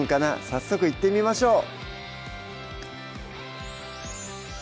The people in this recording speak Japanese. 早速いってみましょう